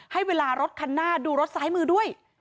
ให้เวลารถคันหน้าดูรถซ้ายมือด้วย